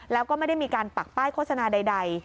แล้วก็ไม่ได้มีการปักป้ายโฆษณาใด